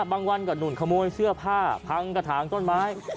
วันก็หนุ่นขโมยเสื้อผ้าพังกระถางต้นไม้